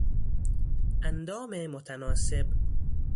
اندام متناسب